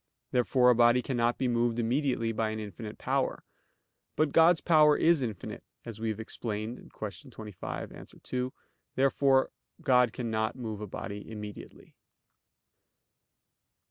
Therefore a body cannot be moved immediately by an infinite power. But God's power is infinite, as we have explained (Q. 25, A. 2). Therefore God cannot move a body immediately.